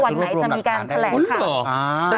วันไหนจะมีการแผลขัด